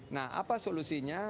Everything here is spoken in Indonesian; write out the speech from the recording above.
nah apa solusinya